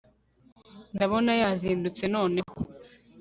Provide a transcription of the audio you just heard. ndabona yazindutse noneho